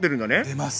出ます。